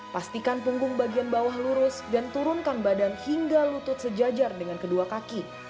pastikan punggung bagian bawah lurus dan turunkan badan hingga lutut sejajar dengan kedua kaki